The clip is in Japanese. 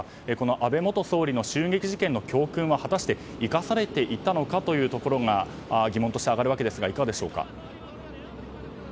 安倍元総理の襲撃事件の教訓は果たして生かされていたのかというところが疑問として挙がるわけですがいかがでしょうか。